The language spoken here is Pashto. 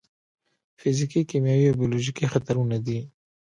فزیکي، کیمیاوي او بیولوژیکي خطرونه دي.